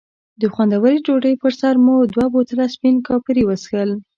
د خوندورې ډوډۍ پر سر مو دوه بوتله سپین کاپري وڅښل.